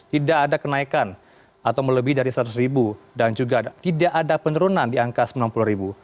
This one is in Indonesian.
tidak ada kenaikan atau melebih dari seratus ribu dan juga tidak ada penurunan di angka sembilan puluh ribu